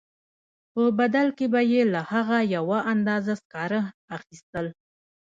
په بدل کې به یې له هغه یوه اندازه سکاره اخیستل